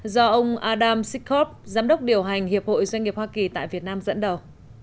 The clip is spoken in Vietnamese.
do ông adam sikhov giám đốc điều hành hiệp hội doanh nghiệp hoa kỳ tại việt nam dẫn đầu